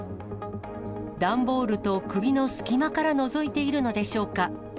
段ボールと首の隙間からのぞいているのでしょうか。